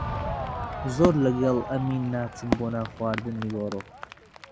زۆر لەگەڵ ئەمین ناچم بۆ نانخواردنی نیوەڕۆ.